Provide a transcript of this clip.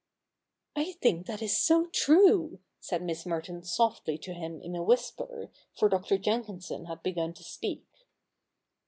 ' I think that is so true,' said Miss Merton softly to him in a whisper, for Dr. Jenkinson had begun to speak.